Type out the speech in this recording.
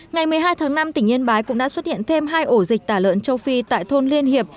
ngày một mươi hai tháng năm tỉnh yên bái cũng đã xuất hiện thêm hai ổ dịch tả lợn châu phi tại thôn liên hiệp